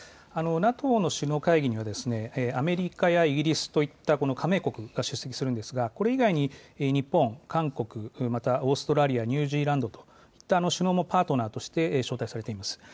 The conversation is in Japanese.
ＮＡＴＯとの首脳会議には、アメリカやイギリスといった加盟国が出席するんですが、これ以外に日本、韓国、またオーストラリア、ニュージーランドといった首脳もパートナーとして招待されています。